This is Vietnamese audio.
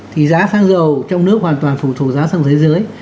thì giá sang dầu trong nước hoàn toàn phụ thuộc giá sang thế giới